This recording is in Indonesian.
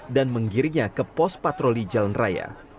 dan menggirinya ke pos patroli jalan raya